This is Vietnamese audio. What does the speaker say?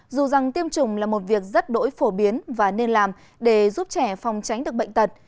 dù rằng tiêm chủng là một việc rất đổi phổ biến và nên làm để giúp trẻ phòng tránh được bệnh tật